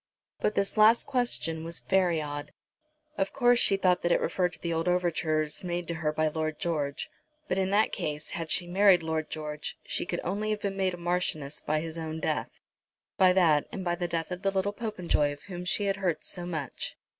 But this last question was very odd. Of course she thought that it referred to the old overtures made to her by Lord George; but in that case, had she married Lord George, she could only have been made a marchioness by his own death, by that and by the death of the little Popenjoy of whom she had heard so much.